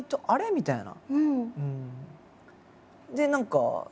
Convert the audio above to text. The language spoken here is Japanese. みたいな。